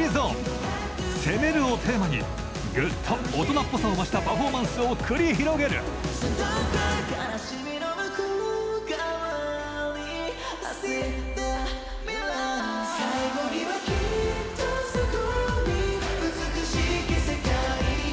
「攻める」をテーマにぐっと大人っぽさを増したパフォーマンスを繰り広げる「悲しみの向こう側にＩｓｅｅｔｈｅ未来」「最後にはきっとそこに美しき世界が」